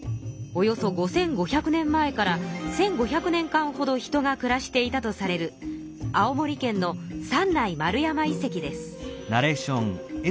およそ５，５００年前から１，５００年間ほど人が暮らしていたとされる青森県の三内丸山遺跡です。